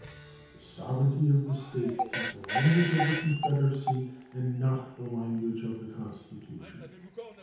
"The sovereignty of the States" is the language of the Confederacy, and not the language of the Constitution.